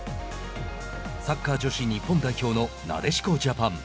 サッカー女子、日本代表のなでしこジャパン。